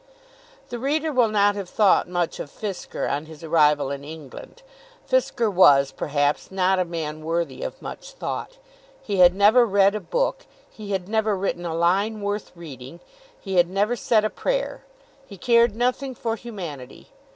The reader will not have thought much of Fisker on his arrival in England. Fisker was, perhaps, not a man worthy of much thought. He had never read a book. He had never written a line worth reading. He had never said a prayer. He cared nothing for humanity.